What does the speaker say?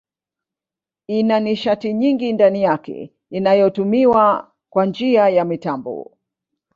Ina nishati nyingi ndani yake inayotumiwa kwa njia ya mitambo.